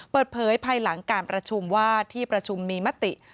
เปิดเผยภายหลังการประชุมว่าที่ประชุมมีมติ